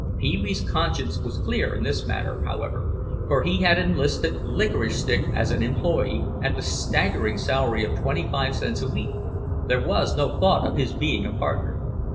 Pee wee's conscience was clear in this matter, however, for he had enlisted Licorice Stick as an employee, at the staggering salary of twenty five cents a week; there was no thought of his being a partner.